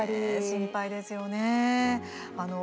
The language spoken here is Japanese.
心配ですよね。